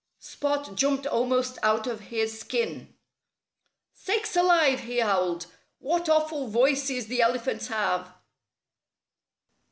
Spot jumped almost out of his skin. "Sakes alive!" he howled. "What awful voices the elephants have!"